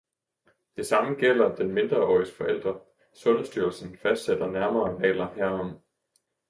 Det samme gælder den mindreåriges forældre. Sundhedsstyrelsen fastsætter nærmere regler herom.